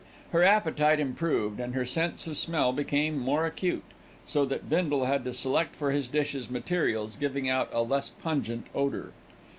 Her appetite improved and her sense of smell became more acute, so that Bindle had to select for his dishes materials giving out a less pungent odour.